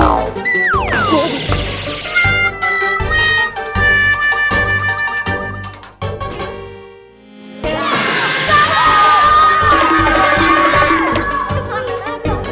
yaaah mereka semua